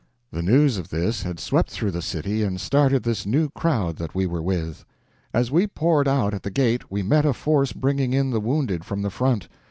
The news of this had swept through the city and started this new crowd that we were with. As we poured out at the gate we met a force bringing in the wounded from the front.